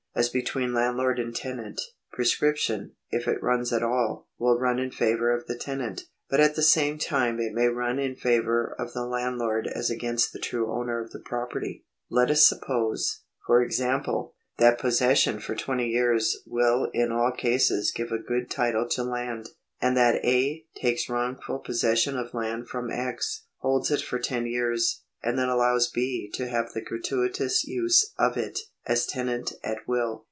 As between landlord and tenant, prescription, if it runs at all, will run in favour of the tenant ; but at the same time it may run in favour of the landlord as against the true owner of the property. Let us suppose, for 1 At p. 735. 256 POSSESSION [§101 example, that possession for twenty years will in all cases give a good title to land, and that A. takes wrongful possession of land from X., holds it for ton years, and then allows B. to have the gratuitous use of it as tenant at will.